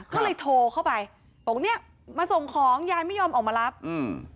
ก็เลยโทรเข้าไปบอกเนี้ยมาส่งของยายไม่ยอมออกมารับอืม